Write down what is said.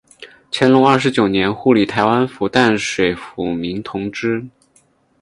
乾隆二十九年护理台湾府淡水抚民同知。